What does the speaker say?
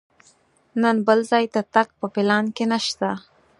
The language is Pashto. نن بل ځای ته تګ په پلان کې نه شته.